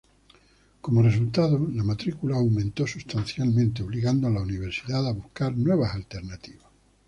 Como resultado, la matrícula aumentó sustancialmente, obligando a la Universidad a buscar nuevas alternativas.